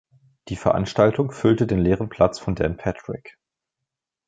Die Veranstaltung füllte den leeren Platz von Dan Patrick.